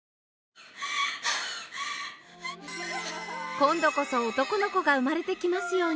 今度こそ男の子が生まれてきますように